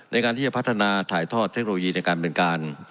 ในการที่จะพัฒนาถ่ายทอดเทคโนโลยีในการเป็นการ